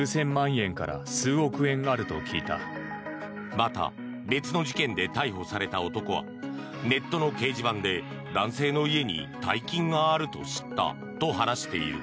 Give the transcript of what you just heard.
また別の事件で逮捕された男はネットの掲示板で男性の家に大金があると知ったと話している。